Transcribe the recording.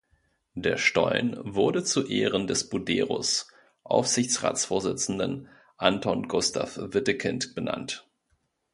Der Stollen wurde zu Ehren des Buderus Aufsichtsratsvorsitzenden Anton Gustav Wittekind benannt.